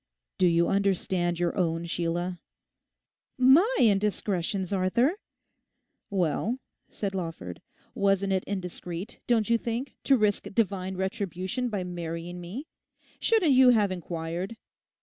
'Do you understand your own, Sheila?' 'My indiscretions, Arthur?' 'Well,' said Lawford, 'wasn't it indiscreet, don't you think, to risk divine retribution by marrying me? Shouldn't you have inquired?